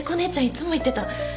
いつも言ってた。